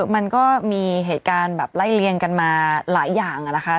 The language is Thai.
มันก็มีเหตุการณ์แบบไล่เลี่ยงกันมาหลายอย่างนะคะ